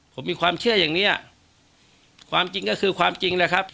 ผมมีความเชื่ออย่างเนี้ยความจริงก็คือความจริงแหละครับ